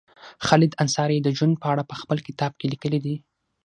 خالد انصاري د جون په اړه په خپل کتاب کې لیکلي دي